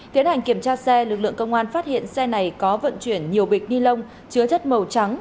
tiến hành kiểm tra xe lực lượng công an phát hiện xe này có vận chuyển nhiều bịch ni lông chứa chất màu trắng